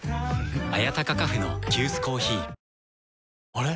あれ？